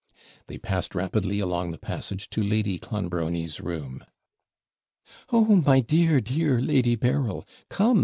They passed rapidly along the passage to Lady Clonbrony's room. 'Oh, my dear, dear Lady Berryl, come!